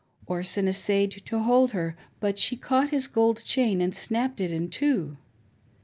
Orson essayed to hold her, but she caught his gold chain and snapped it in two.